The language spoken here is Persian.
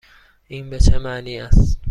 این به چه معنی است؟